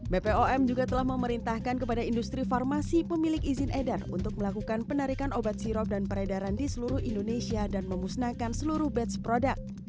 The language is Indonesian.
bpom juga telah memerintahkan kepada industri farmasi pemilik izin edar untuk melakukan penarikan obat sirop dan peredaran di seluruh indonesia dan memusnahkan seluruh batch product